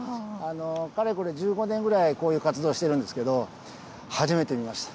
かれこれ１５年ぐらい、こういう活動してるんですけど、初めて見ました。